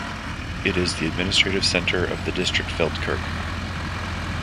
It is the administrative center of the district Feldkirch.